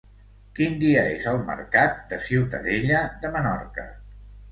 Quin dia és el mercat de Ciutadella de Menorca?